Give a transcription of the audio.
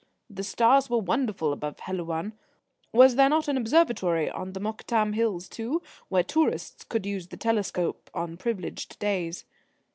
The stars were wonderful above Helouan. Was there not an observatory on the Mokattam Hills, too, where tourists could use the telescopes on privileged days?